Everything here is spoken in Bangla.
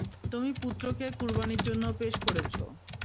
তুমি পুত্রকে কুরবানীর জন্যে পেশ করেছ।